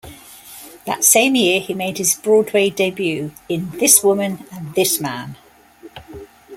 That same year he made his Broadway debut in "This Woman and This Man".